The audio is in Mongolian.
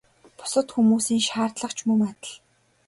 Бусад хүмүүсийн шаардлага ч мөн адил.